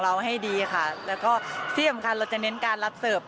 ให้ดีค่ะแล้วก็ที่สำคัญเราจะเน้นการรับเสิร์ฟ